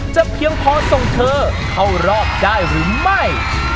เพียงพอส่งเธอเข้ารอบได้หรือไม่